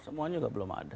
semuanya juga belum ada